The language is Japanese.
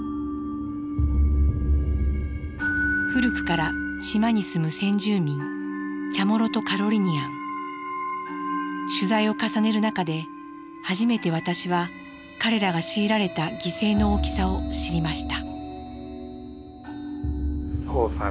古くから島に住む先住民取材を重ねる中で初めて私は彼らが強いられた犠牲の大きさを知りました。